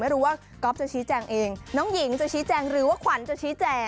ไม่รู้ว่าก๊อฟจะชี้แจงเองน้องหญิงจะชี้แจงหรือว่าขวัญจะชี้แจง